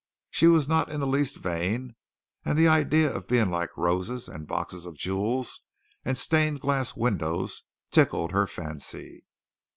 She was not in the least vain, and the idea of being like roses and boxes of jewels and stained glass windows tickled her fancy.